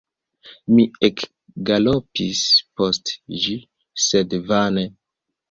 Mi ekgalopis post ĝi, sed vane.